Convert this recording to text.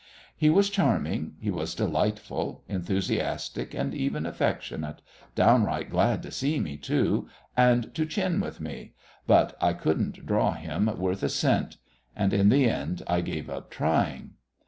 He was charming, he was delightful, enthusiastic and even affectionate; downright glad to see me, too, and to chin with me but I couldn't draw him worth a cent. And in the end I gave up trying.